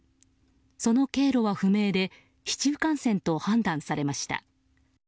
その経路は不明で市中感染と判断されました。